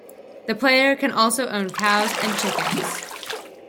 The player can also own cows and chickens.